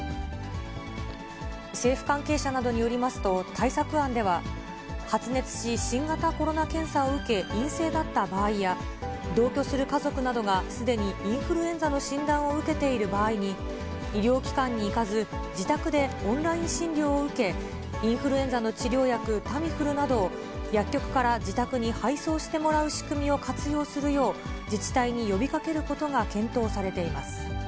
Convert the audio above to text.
政府関係者などによりますと、対策案では、発熱し、新型コロナ検査を受け、陰性だった場合や、同居する家族などがすでにインフルエンザの診断を受けている場合に、医療機関に行かず、自宅でオンライン診療を受け、インフルエンザの治療薬、タミフルなどを薬局から自宅に配送してもらう仕組みを活用するよう、自治体に呼びかけることが検討されています。